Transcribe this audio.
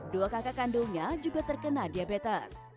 dua kakak kandungnya juga terkena diabetes